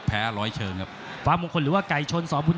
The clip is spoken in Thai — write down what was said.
แพ้ร้อยเชิงครับฟ้ามงคลหรือว่ากายชนสฟุล